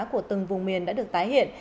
của từng vùng miền đã được tái hiện